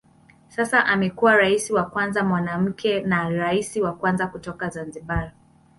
Sasa amekuwa rais wa kwanza mwanamke na rais wa kwanza kutoka Zanzibar.